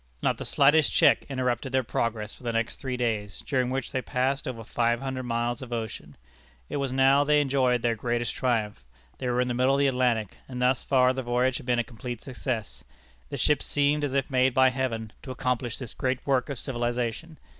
Not the slightest check interrupted their progress for the next three days, during which they passed over five hundred miles of ocean. It was now they enjoyed their greatest triumph. They were in the middle of the Atlantic, and thus far the voyage had been a complete success. The ship seemed as if made by Heaven to accomplish this great work of civilization.